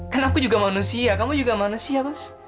kan aku juga manusia kamu juga manusia